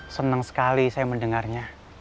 senang sekali saya mendengarnya